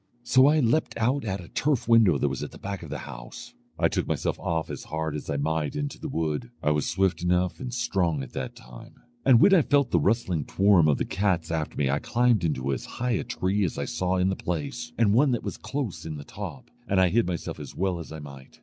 So I leapt out at a turf window that was at the back of the house. I took myself off as hard as I might into the wood. I was swift enough and strong at that time; and when I felt the rustling toirm of the cats after me I climbed into as high a tree as I saw in the place, and one that was close in the top; and I hid myself as well as I might.